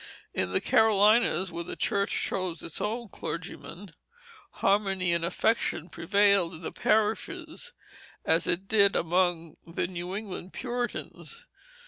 In the Carolinas, where the church chose its own clergyman, harmony and affection prevailed in the parishes as it did among the New England Puritans.